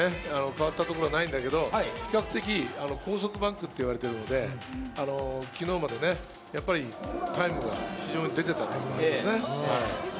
特に変わったところはないんだけど比較的、高速バンクって言われているので、昨日までタイムが非常に出ていたということですね。